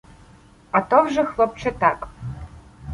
— А то вже, хлопче, так.